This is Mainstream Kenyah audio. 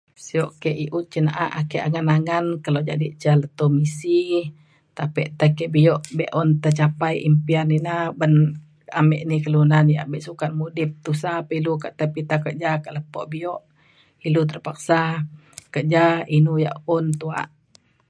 Sio ke i’ut cin na’a ake angan angan kelo jadek ca leto misi tapek tai ke bio be’un tercapai impian ina ban ame ni kelunan yak bek sukat mudip tusa pa ilu kak tai pita kerja kak lepo bio ilu terpaksa kerja inu yak un tuak